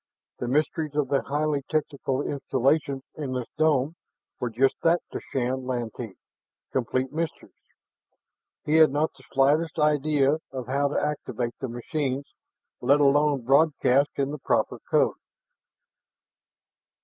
The mysteries of the highly technical installations in this dome were just that to Shann Lantee complete mysteries. He had not the slightest idea of how to activate the machines, let alone broadcast in the proper code.